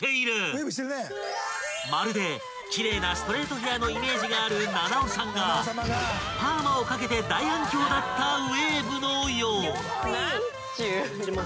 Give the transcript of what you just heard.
［まるで奇麗なストレートヘアのイメージがある菜々緒さんがパーマをかけて大反響だったウェーブのよう］